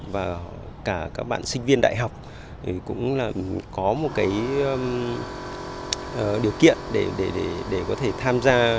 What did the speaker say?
cả các bạn sinh viên đại học cũng có một điều kiện để có thể tham gia